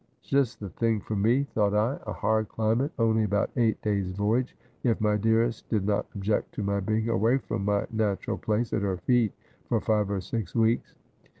Just the thing for me, thought I— a hard climate, only about eight days' voyage — if my dearest did not object to my being away from my natural place at her feet for five or six weeks.